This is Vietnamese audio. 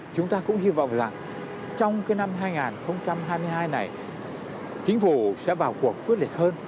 chúng ta cũng hy vọng rằng trong cái năm hai nghìn hai mươi hai này chính phủ sẽ vào cuộc quyết liệt hơn